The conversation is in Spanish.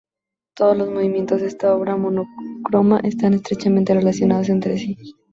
Todos los movimientos de esta obra monocroma están estrechamente relacionados entre sí.